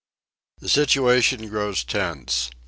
The situation grows tense.